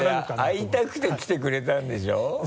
会いたくて来てくれたんでしょ？